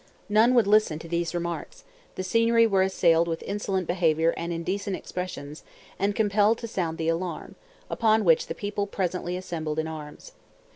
None would listen to these remarks; the Signory were assailed with insolent behavior and indecent expressions, and compelled to sound the alarm, upon which the people presently assembled in arms.